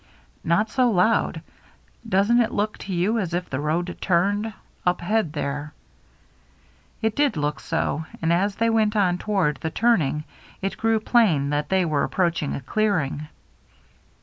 " Not so loud. Doesn't it look to you as if the road turned — up ahead there ?" It did look so ; and as they went on toward the turning it grew plain that they were approaching a clearing.